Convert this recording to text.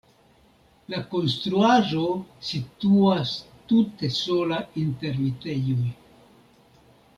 La konstruaĵo situas tute sola inter vitejoj.